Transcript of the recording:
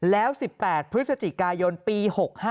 แล้ว๑๘พฤศจิกายนปี๖๕